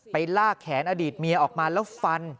ลากแขนอดีตเมียออกมาแล้วฟัน